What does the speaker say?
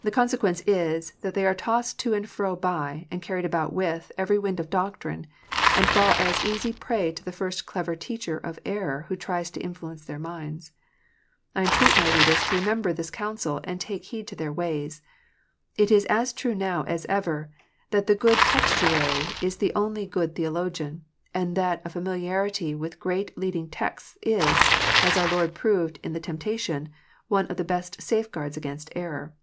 The consequence is, that they are "tossed to and fro by, and carried about with, every wind of doctrine," and fall an easy prey to the first clever teacher of error who tries to influence their minds. I entreat my readers to remember this counsel, and take heed to their ways. It is as true now as ever, that the good textuary is the only good theologian, and that a familiarity with great leading texts is, as our Lord proved in the temptation, one of the best safe guards against error.